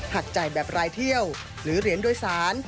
จ่ายแบบรายเที่ยวหรือเหรียญโดยสาร